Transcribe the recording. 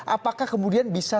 apakah kemudian bisa